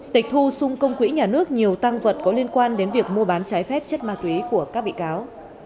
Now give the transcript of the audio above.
tịch thu xung công quỹ nhà nước nhiều tăng vật có liên quan đến việc mua bán trái phép chất ma túy của các bị cáo